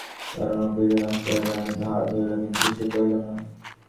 করুণা কম্পিত হস্তে নরেন্দ্রের হাত ধরিল, কিন্তু কিছু কহিল না।